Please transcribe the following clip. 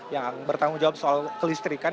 yang bertanggung jawab soal kelistrikan